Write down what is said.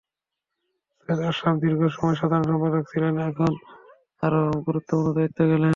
সৈয়দ আশরাফ দীর্ঘ সময় সাধারণ সম্পাদক ছিলেন, এখন আরও গুরুত্বপূর্ণ দায়িত্বে গেলেন।